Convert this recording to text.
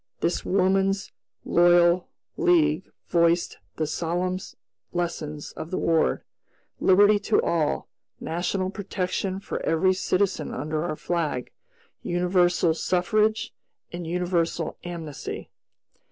This Woman's Loyal League voiced the solemn lessons of the War: Liberty to all; national protection for every citizen under our flag; universal suffrage, and universal amnesty.